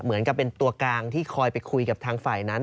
เหมือนกับเป็นตัวกลางที่คอยไปคุยกับทางฝ่ายนั้น